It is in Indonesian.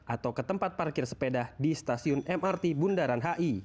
atau ke tempat parkir sepeda di stasiun mrt bundaran hi